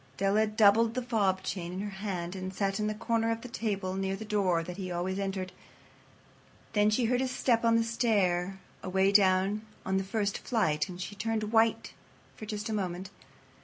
Della doubled the fob chain in her hand and sat on the corner of the table near the door that he always entered. Then she heard his step on the stair away down on the first flight, and she turned white for just a moment.